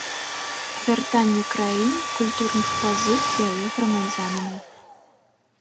Вяртанне краіне культурных пазык яе грамадзянамі.